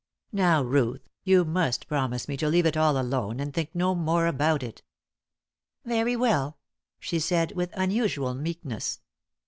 Now, Ruth, you must promise me to leave it all alone, and think no more about it." "Very well," she said, with unusual meekness.